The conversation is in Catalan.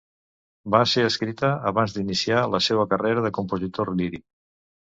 Va ser escrita abans d'iniciar la seua carrera de compositor líric.